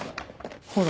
ほら。